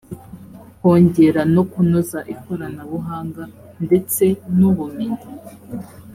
kongera no kunoza ikoranabunga ndetse n’’uubumenyi